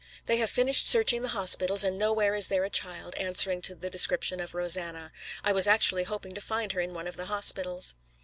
"They have finished searching the hospitals, and nowhere is there a child answering to the description of Rosanna. I was actually hoping to find her in one of the hospitals."